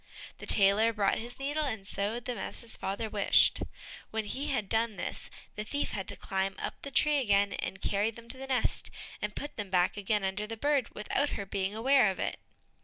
The tailor brought his needle, and sewed them as his father wished. When he had done this the thief had to climb up the tree again, and carry them to the nest, and put them back again under the bird without her being aware of it.